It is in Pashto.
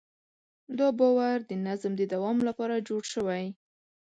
دا باور د نظم د دوام لپاره جوړ شوی.